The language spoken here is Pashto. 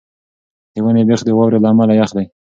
د ونې بېخ د واورې له امله یخ دی.